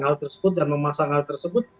hal tersebut dan memasang hal tersebut